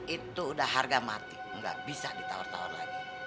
itu udah harga mati nggak bisa ditawar tawar lagi